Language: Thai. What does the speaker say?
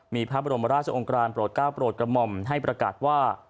มีพระบรมราชองค์กรานโปรด๙โปรดกรมมให้ประกัดว่า